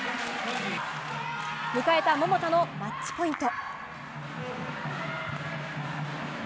迎えた桃田のマッチポイント。